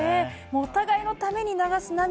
お互いのために流す涙。